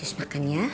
yuk makan ya